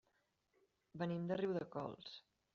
Venim de Riudecols.